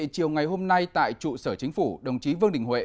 chiều ngày hôm nay tại trụ sở chính phủ đồng chí vương đình huệ